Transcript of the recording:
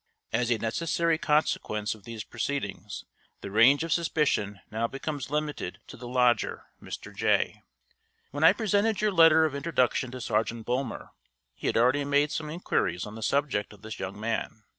As a necessary consequence of these proceedings, the range of suspicion now becomes limited to the lodger, Mr. Jay. When I presented your letter of introduction to Sergeant Bulmer, he had already made some inquiries on the subject of this young man.